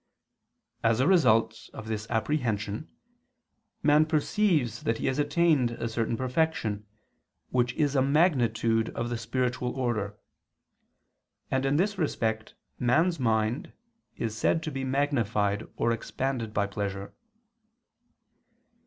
As a result of this apprehension, man perceives that he has attained a certain perfection, which is a magnitude of the spiritual order: and in this respect man's mind is said to be magnified or expanded by pleasure.